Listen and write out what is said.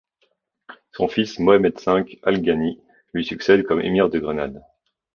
Son fils Mohammed V al-Ghanî lui succède comme émir de Grenade.